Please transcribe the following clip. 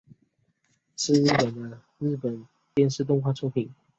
是日本的日本电视动画的作品。